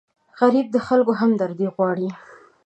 غریب د خلکو همدردي غواړي